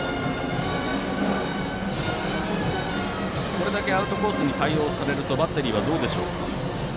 これだけアウトコースに対応されるとバッテリーはどうでしょうか。